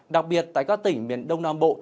đặc biệt tại các tỉnh miền đông nam bộ